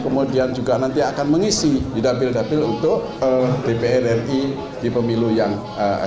kemudian juga nanti akan mengisi di dapil dapil untuk dpr ri di pemilu yang akan datang